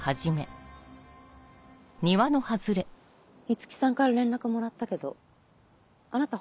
いつきさんから連絡もらったけどあなた